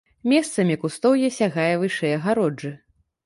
Месцамі кустоўе сягае вышэй агароджы.